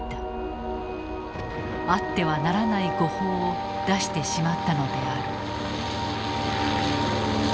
あってはならない誤報を出してしまったのである。